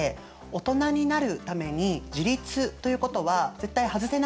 オトナになるために「自立」ということは絶対外せない条件なんですかね。